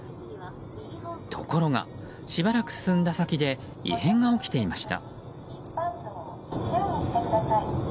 ところが、しばらく進んだ先で異変が起きていました。